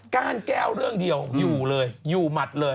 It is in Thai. ก้านแก้วเรื่องเดียวอยู่เลยอยู่หมัดเลย